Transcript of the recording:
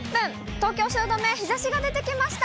東京・汐留、日ざしが出てきました。